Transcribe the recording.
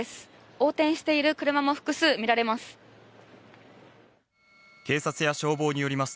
横転している車も複数見られます。